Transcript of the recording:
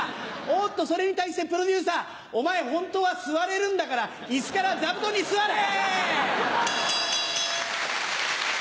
おっとそれに対してプロデューサーお前ホントは座れるんだから椅子から座布団に座れ！